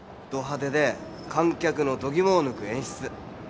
ど派手で観客の度肝を抜く演出。